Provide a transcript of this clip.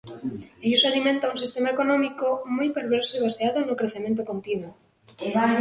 E iso alimenta un sistema económico moi perverso e baseado no crecemento continuo.